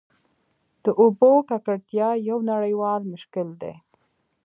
د اوبو ککړتیا یو نړیوال مشکل دی.